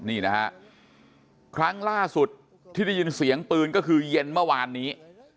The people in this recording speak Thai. นี่นะฮะครั้งล่าสุดที่ได้ยินเสียงปืนก็คือเย็นเมื่อวานนี้